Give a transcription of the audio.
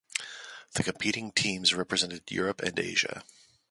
The competing teams represented Europe and Asia.